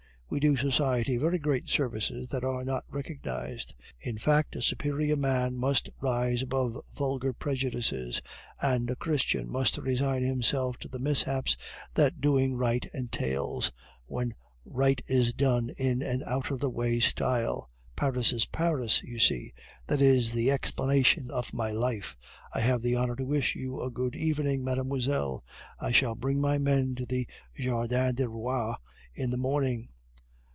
We do society very great services that are not recognized. In fact, a superior man must rise above vulgar prejudices, and a Christian must resign himself to the mishaps that doing right entails, when right is done in an out of the way style. Paris is Paris, you see! That is the explanation of my life. I have the honor to wish you a good evening, mademoiselle. I shall bring my men to the Jardin du Roi in the morning.